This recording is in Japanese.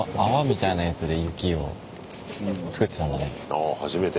ああ初めて。